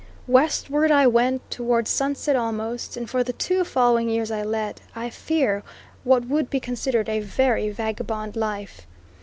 Westward I went, towards sunset almost, and for the two following years I led, I fear, what would be considered a very vagabond life.